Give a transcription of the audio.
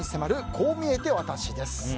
こう見えてワタシです。